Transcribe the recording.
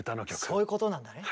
そういうことなんだね。